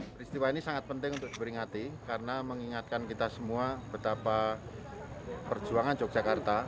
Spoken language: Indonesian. peristiwa ini sangat penting untuk diperingati karena mengingatkan kita semua betapa perjuangan yogyakarta